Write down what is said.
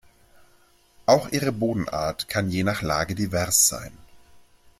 Auch ihre Bodenart kann je nach Lage divers sein.